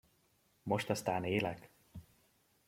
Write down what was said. Most aztán élek!